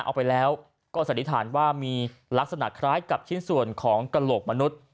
เอาไปแล้วก็สันนิษฐานว่ามีลักษณะคล้ายกับชิ้นส่วนของกระโหลกมนุษย์